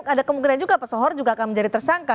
bahwa kemungkinan juga pesohor akan menjadi tersangka